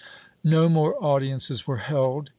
^ No more audiences were held.